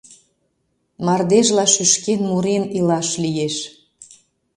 Мардежла шӱшкен-мурен илаш лиеш…